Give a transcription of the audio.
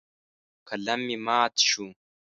قلم مې مات شو.